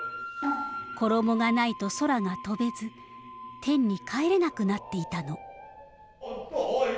衣がないと空が飛べず天に帰れなくなっていたの。